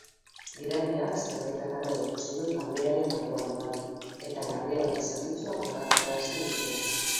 Gidariak zerbait arraroa ikusi du kamioiaren barrualdean eta larrialdi zerbitzuak ohartarazi ditu.